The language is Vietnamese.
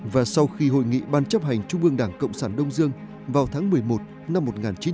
và sau khi hội nghị ban chấp hành trung ương đảng cộng sản đông dương vào tháng một mươi một năm một nghìn chín trăm bảy mươi